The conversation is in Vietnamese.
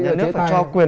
nhờ nước phải cho quyền